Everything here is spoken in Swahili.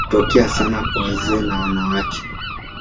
Hutokea sana kwa wazee na wanawake.